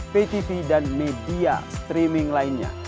ptv dan media streaming lainnya